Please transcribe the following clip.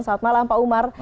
selamat malam pak umar